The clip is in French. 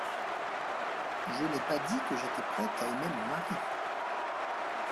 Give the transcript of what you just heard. Je n'ai pas dit que j'étais prête à aimer mon mari.